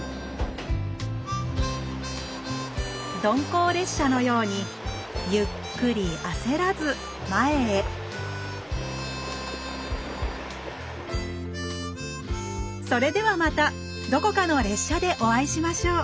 鈍行列車のように「ゆっくりあせらず」前へそれではまたどこかの列車でお会いしましょう